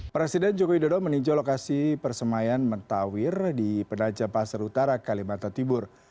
presiden jokowi dodo meninjau lokasi persemaian mentawir di penanjam pasar utara kalimantan tibur